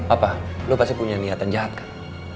apa lo pasti punya niatan jahat kan